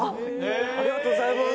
ありがとうございます。